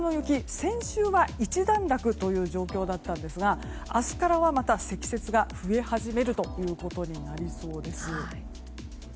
先週は一段落という状況でしたが明日からはまた積雪が増え始めるということになりそうです。